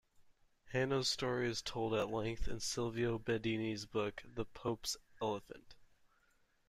Hanno's story is told at length in Silvio Bedini's book, "The Pope's Elephant".